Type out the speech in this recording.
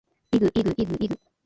ｲｸﾞｲｸﾞｲｸﾞｲｸﾞ